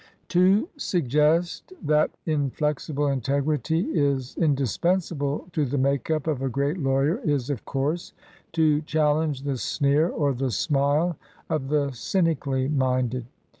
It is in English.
To suggest that inflexible integrity is indis pensable to the make up of a great lawyer is, of course, to challenge the sneer or the smile of the cynically minded.